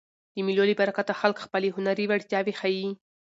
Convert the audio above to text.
د مېلو له برکته خلک خپلي هنري وړتیاوي ښيي.